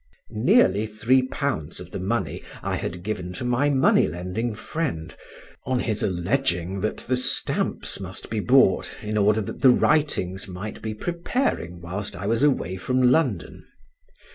Nearly £3 of the money I had given to my money lending friend, on his alleging that the stamps must be bought, in order that the writings might be preparing whilst I was away from London.